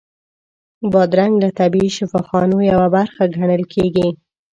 بادرنګ له طبیعي شفاخانو یوه برخه ګڼل کېږي.